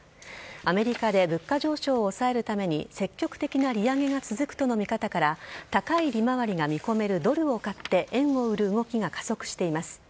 アメリカで物価上昇を抑えるために積極的な利上げが続くとの見方から高い利回りが見込めるドルを買って円を売る動きが加速しています。